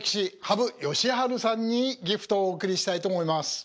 羽生善治さんにギフトをお贈りしたいと思います。